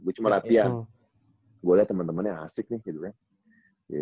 gue cuma latihan gue lihat temen temennya asik nih hidupnya